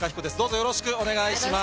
よろしくお願いします。